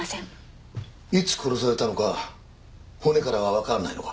いつ殺されたのか骨からはわからないのか？